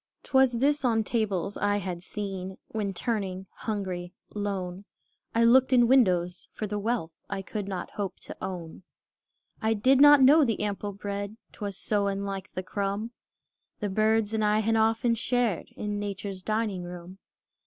'T was this on tables I had seen, When turning, hungry, lone, I looked in windows, for the wealth I could not hope to own. I did not know the ample bread, 'T was so unlike the crumb The birds and I had often shared In Nature's dining room.